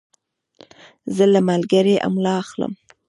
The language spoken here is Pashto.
زه له ملګري املا اخلم.